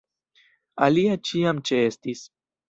Alia ĉiam ĉeestis.